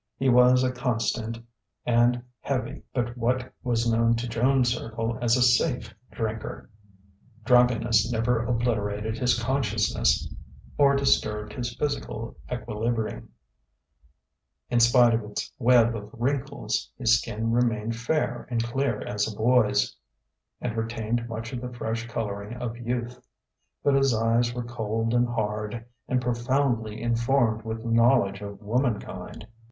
He was a constant and heavy but what was known to Joan's circle as a safe drinker; drunkenness never obliterated his consciousness or disturbed his physical equilibrium; in spite of its web of wrinkles, his skin remained fair and clear as a boy's, and retained much of the fresh colouring of youth. But his eyes were cold and hard and profoundly informed with knowledge of womankind.